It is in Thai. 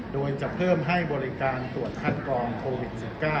โดยจะเพิ่มให้บริการตรวจคัดกองโควิด๑๙